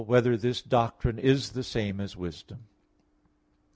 6] Whether This Doctrine Is the Same as Wisdom?